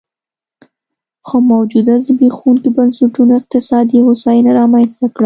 خو موجوده زبېښونکو بنسټونو اقتصادي هوساینه رامنځته کړه